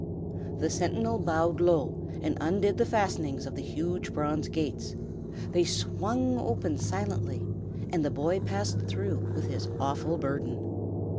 The sentinel bowed low, and undid the fastenings of the huge bronze gates. They swung open silently, and the boy passed through with his awful burden.